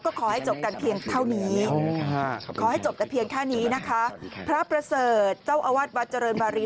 ก็ขอให้จบแต่เพียงเท่านี้นะคะพระประเสริฐเจ้าอวาดวัดเจริญบารี